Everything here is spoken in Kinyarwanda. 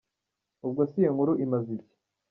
ubwo se iyo nkuru imaze iki?